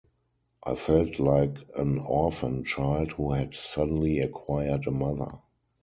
I felt like an orphan child who had suddenly acquired a mother.